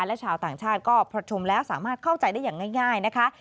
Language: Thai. และชาวต่างชาติก็พอชมแล้วสามารถเข้าใจได้อย่างง่ายนะคะ